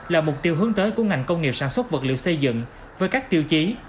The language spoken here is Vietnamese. là mục tiêu hướng tới của ngành công nghiệp sản xuất vật liệu xây dựng với các tiêu chí